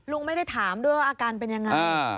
ลุงไม่ได้ถามด้วยว่าอาการเป็นยังไง